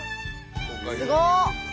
すごっ！